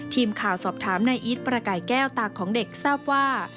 ทีมข่าวสอบถามนายอีทประกายแก้วตาของเด็กทราบว่า